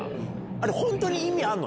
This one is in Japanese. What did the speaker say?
あれ、本当に意味あんの？